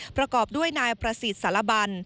ประกอบด้วยนายประสิทธิ์สารบัน